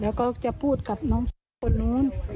แล้วก็จะพูดกับน้องคนโน้น